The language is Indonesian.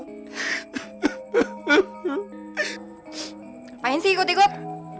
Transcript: ngapain sih ikut ikut